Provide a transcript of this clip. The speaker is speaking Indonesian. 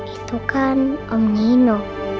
itu kan om nino